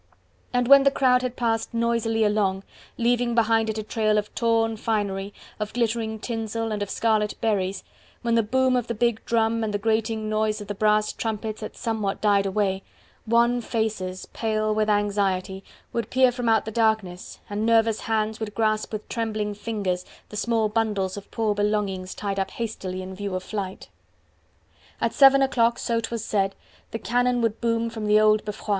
And when the crowd had passed noisily along, leaving behind it a trail of torn finery, of glittering tinsel and of scarlet berries, when the boom of the big drum and the grating noise of the brass trumpets had somewhat died away, wan faces, pale with anxiety, would peer from out the darkness, and nervous hands would grasp with trembling fingers the small bundles of poor belongings tied up hastily in view of flight. At seven o'clock, so 'twas said, the cannon would boom from the old Beffroi.